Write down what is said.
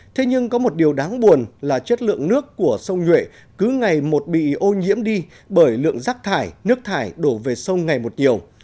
thế nhưng có một điều đáng buồn là chất lượng nước của sông nhuệ cứ ngày một bị ô nhiễm đi bởi lượng rác thải nước thải đổ về sông ngày một nhiều